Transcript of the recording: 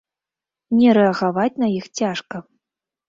Не рэагаваць на іх цяжка.